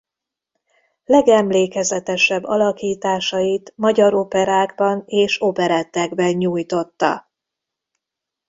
Legemlékezetesebb alakításait magyar operákban és operettekben nyújtotta.